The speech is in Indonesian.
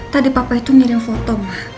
tadi papa itu ngirim foto